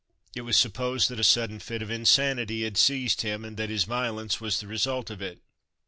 It was supposed that a sudden fit of insanity had seized him, and that his violence was the result of it.